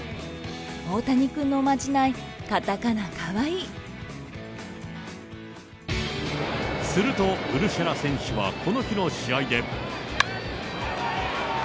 大谷君のおまじない、すると、ウルシェラ選手はこの日の試合で。